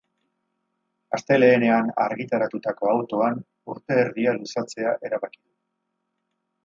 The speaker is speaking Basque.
Astelehenean argitaratutako autoan, urte erdia luzatzea erabaki du.